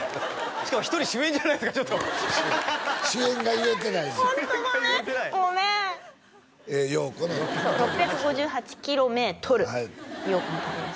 しかも１人主演じゃないですかちょっと主演が言えてないホントごめんごめん「陽子の旅」そう「６５８ｋｍ、陽子の旅」です